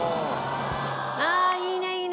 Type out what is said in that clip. ああーいいねいいね！